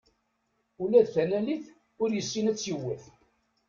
Ula d tanalit ur yessin ad tt-yewwet.